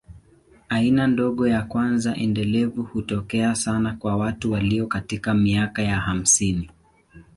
Aina ndogo ya kwanza endelevu hutokea sana kwa watu walio katika miaka ya hamsini.